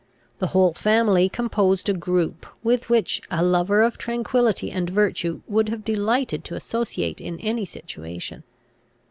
The whole family composed a group, with which a lover of tranquillity and virtue would have delighted to associate in any situation.